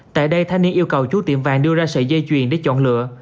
tại đây thanh niên yêu cầu chú tiệm vàng đưa ra sợi dây chuyền để chọn lựa